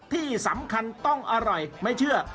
ที่สำคัญต้องอร่อยไม่เชื่อ